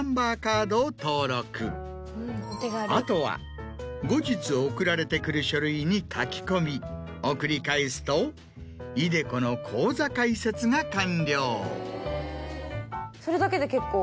あとは後日送られてくる書類に書き込み送り返すとｉＤｅＣｏの口座開設が完了。